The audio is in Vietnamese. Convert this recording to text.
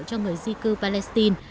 cho người di cư palestine